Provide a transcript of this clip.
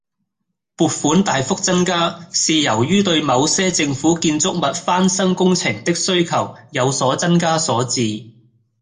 撥款大幅增加，是由於對某些政府建築物翻修工程的需求有所增加所致